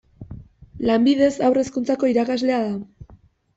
Lanbidez Haur Hezkuntzako irakaslea da.